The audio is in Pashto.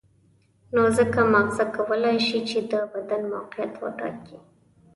نو ځکه ماغزه کولای شي چې د بدن موقعیت وټاکي.